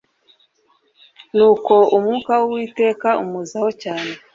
nuko umwuka w'uwiteka amuzaho cyane